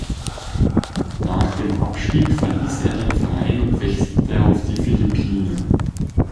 Nach dem Abstieg verließ er den Verein und wechselte auf die Philippinen.